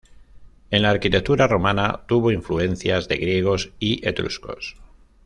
En la arquitectura romana tuvo influencias de griegos y etruscos.